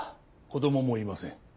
子供もいません。